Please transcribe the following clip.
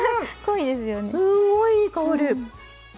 すごいいい香り。